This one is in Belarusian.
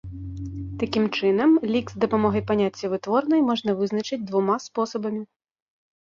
Такім чынам, лік з дапамогай паняцця вытворнай можна вызначыць двума спосабамі.